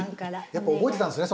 やっぱ覚えてたんですね